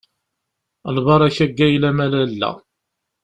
Lbaṛaka deg wayla-m a Lalla.